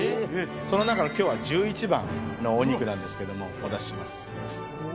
その中のきょうは１１番のお肉なんですけども、お出しします。